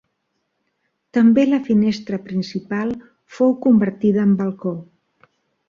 També la finestra principal fou convertida en balcó.